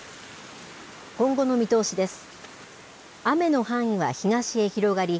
今後の見通しです。